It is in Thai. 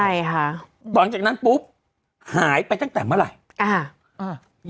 ใช่ค่ะหลังจากนั้นปุ๊บหายไปตั้งแต่เมื่อไหร่อ่าอ่า